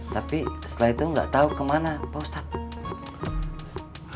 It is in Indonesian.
tapi setelah itu gak tau kemana pak ustadz